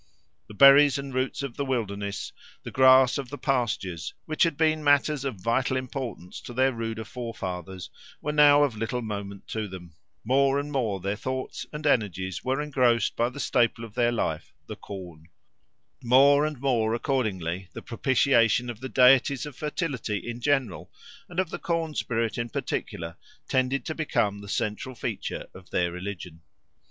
The berries and roots of the wilderness, the grass of the pastures, which had been matters of vital importance to their ruder forefathers, were now of little moment to them: more and more their thoughts and energies were engrossed by the staple of their life, the corn; more and more accordingly the propitiation of the deities of fertility in general and of the corn spirit in particular tended to become the central feature of their religion.